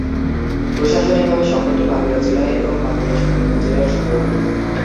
প্রশাসনিকভাবে শহরটি মাগুরা জেলা এবং মাগুরা সদর উপজেলার সদর।